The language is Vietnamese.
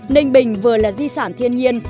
ninh bình vừa là di sản thiên nhiên